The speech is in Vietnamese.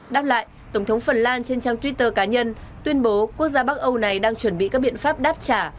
đáp lại tổng thống phần lan trên trang twitter cá nhân tuyên bố quốc gia bắc âu này đang chuẩn bị các biện pháp đáp trả